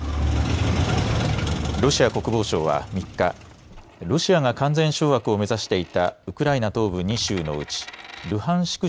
ロシア国防省は３日、ロシアが完全掌握を目指していたウクライナ東部２州のうちルハンシク